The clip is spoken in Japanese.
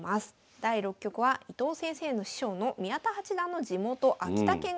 第６局は伊藤先生の師匠の宮田八段の地元秋田県が対局場となっています。